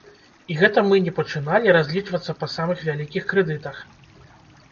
І гэта мы не пачыналі разлічвацца па самых вялікіх крэдытах!